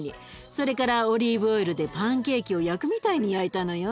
それからオリーブオイルでパンケーキを焼くみたいに焼いたのよ。